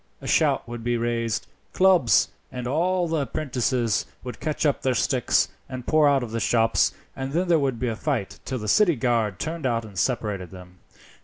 A shout would be raised of 'Clubs!' and all the 'prentices would catch up their sticks and pour out of the shops, and then there would be a fight till the city guard turned out and separated them.